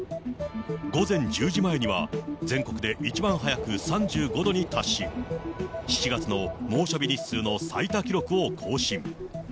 午前１０時前には全国で一番早く３５度に達し、７月の猛暑日日数の最多記録を更新。